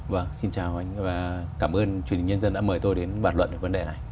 vâng xin chào và cảm ơn truyền hình nhân dân đã mời tôi đến bản luận về vấn đề này